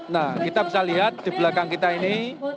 nah kita bisa lihat di belakang kita ini